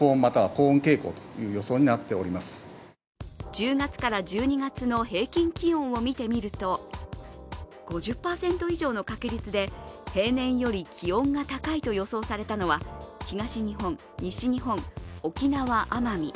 １０月から１２月の平均気温を見てみると５０％以上の確率で平年より気温が高いと予想されたのは東日本、西日本、沖縄・奄美。